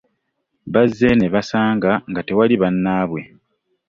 Bazze ne basanga nga tewali bannaabwe.